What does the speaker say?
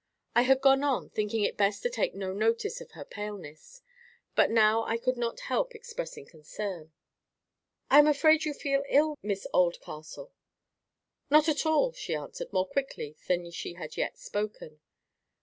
I had gone on, thinking it best to take no notice of her paleness; but now I could not help expressing concern. "I am afraid you feel ill, Miss Oldcastle." "Not at all," she answered, more quickly than she had yet spoken.